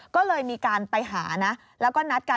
ก็เลยมีการไปหานะแล้วก็นัดกัน